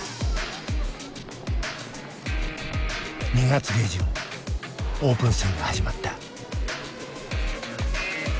２月下旬オープン戦が始まった。